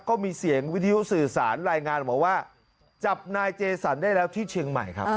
ก็มีเสียงวิทยุสื่อสารรายงานบอกว่าจับนายเจสันได้แล้วที่เชียงใหม่ครับ